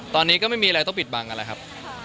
ตอนนี้ก็ไม่มีอะไรต้องปิดบังอะไรครับ